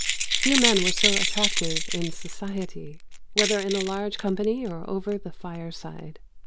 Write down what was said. Few men were so attractive 'in society,' whether in a large company or over the fireside.